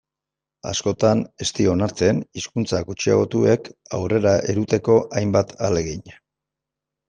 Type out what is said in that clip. Askotan ez dira onartzen hizkuntza gutxiagotuak aurrera eramateko hainbat ahalegin.